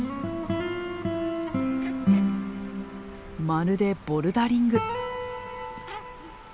まるでボルダリング。